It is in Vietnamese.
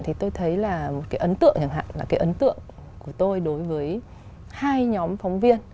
thì tôi thấy là một cái ấn tượng chẳng hạn là cái ấn tượng của tôi đối với hai nhóm phóng viên